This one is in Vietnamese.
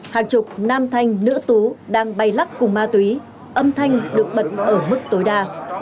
hàng chục nam thanh nữ tú đang bay lắc cùng ma túy âm thanh được bật ở mức tối đa